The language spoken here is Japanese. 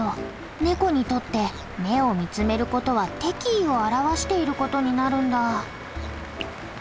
ネコにとって目を見つめることは敵意を表していることになるんだ。